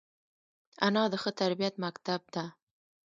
انا د ښه تربیت مکتب ده